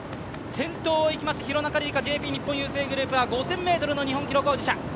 先頭を行きます廣中璃梨佳、ＪＰ日本郵政グループ、５０００ｍの日本記録保持者。